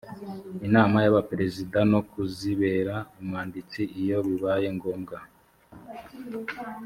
inama y’abaperezida no kuzibera umwanditsi iyo bibaye ngombwa